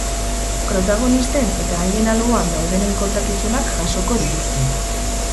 Protagonisten eta haien alboan daudenen kontakizunak jasoko dituzte.